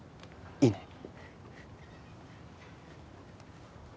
いいね？